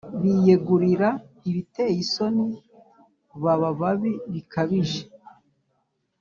biyegurira ibiteye isoni baba babi bikabije